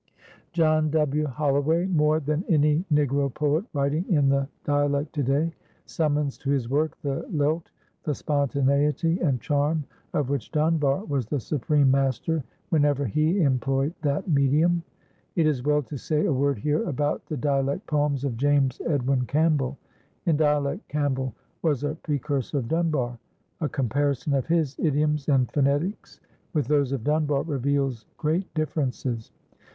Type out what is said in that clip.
John W. Holloway, more than any Negro poet writing in the dialect to day, summons to his work the lilt, the spontaneity and charm of which Dunbar was the supreme master whenever he employed that medium. It is well to say a word here about the dialect poems of James Edwin Campbell. In dialect, Campbell was a precursor of Dunbar. A comparison of his idioms and phonetics with those of Dunbar reveals great differences.